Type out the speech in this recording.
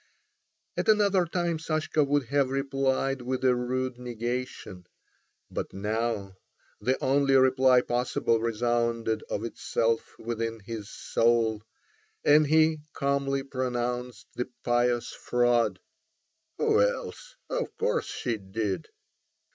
At another time Sashka would have replied with a rude negation, but now the only reply possible resounded of itself within his soul, and he calmly pronounced the pious fraud: "Who else? of course she did."